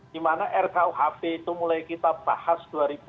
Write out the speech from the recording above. dimana rkuhb itu mulai kita bahas dua ribu lima belas